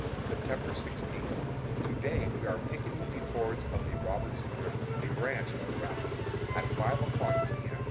September 16. To day we are picketing the fords of the Robertson River, a branch of the Rapidan. At five o'clock P. M.